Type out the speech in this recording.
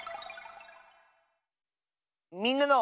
「みんなの」。